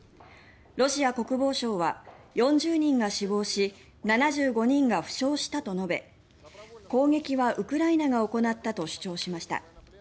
ロシア国防省は４０人が死亡し７５人が負傷したと述べ攻撃はウクライナが行ったと主張しました。